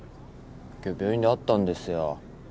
今日病院で会ったんですよ。